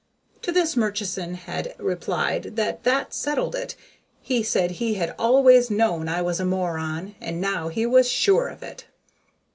To this Murchison had replied that that settled it. He said he had always known I was a moron, and now he was sure of it.